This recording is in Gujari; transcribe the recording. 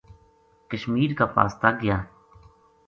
کشمیر کا پاس تا گیا